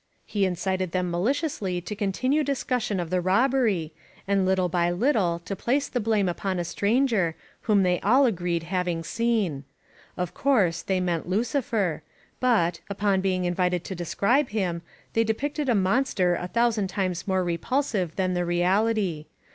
He Incited them maliciously to continue discussion of the robbery, and little by little to place the blame upon a stranger whom they all agreed having seen. Of course they meant Lticifer, but, upon being Invited to describe him, they depicted a monster a thousand times more repulsive than the reality.